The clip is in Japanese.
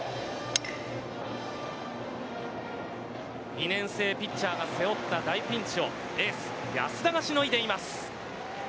２年生ピッチャーが背負った大ピンチをエース、安田がしのいでいます。